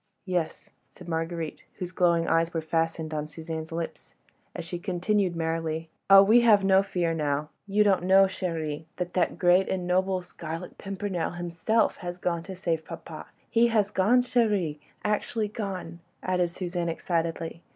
"Yes," said Marguerite, whose glowing eyes were fastened on Suzanne's lips, as she continued merrily: "Oh, we have no fear now! You don't know, chérie, that that great and noble Scarlet Pimpernel himself has gone to save papa. He has gone, chérie ... actually gone ..." added Suzanne excitedly.